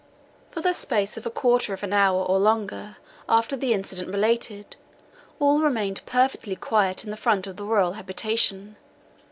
For the space of a quarter of an hour, or longer, after the incident related, all remained perfectly quiet in the front of the royal habitation.